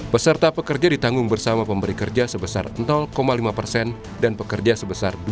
peserta pekerja ditanggung bersama pemberi kerja sebesar lima persen dan pekerja sebesar